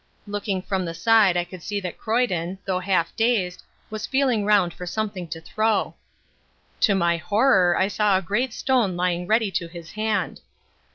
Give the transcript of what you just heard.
Looking from the side I could see that Croyden, though half dazed, was feeling round for something to throw. To my horror I saw a great stone lying ready to his hand.